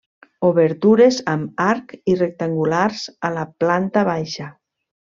Obertures amb arc i rectangulars a la planta baixa.